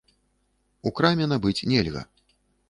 У краме набыць нельга.